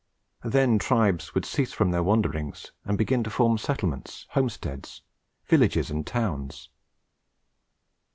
Then tribes would cease from their wanderings, and begin to form settlements, homesteads, villages, and towns.